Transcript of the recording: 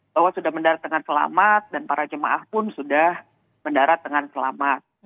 bahwa sudah mendarat dengan selamat dan para jemaah pun sudah mendarat dengan selamat